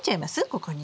ここに。